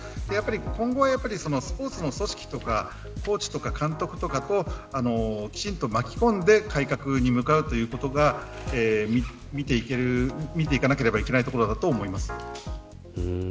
今後はスポーツの組織とかコーチとか監督とかをきちんと巻き込んで改革に向かうということが見ていかなければいけないことと思います。